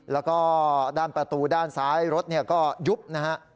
แล้วก็ด้านประตูด้านซ้ายรถก็ยุบนะฮะ